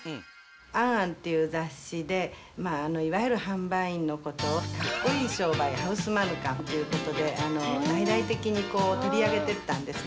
ａｎａｎっていう雑誌で、いわゆる販売員のことを、かっこいい商売、ハウスマヌカンっていうことで、大々的に取り上げてったんですね。